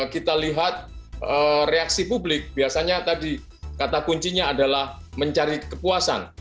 kita lihat reaksi publik biasanya tadi kata kuncinya adalah mencari kepuasan